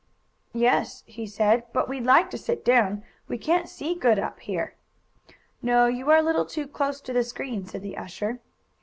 "Yes," he said. "But we'd like to sit down. We can't see good up here." "No, you are a little too close to the screen," said the usher.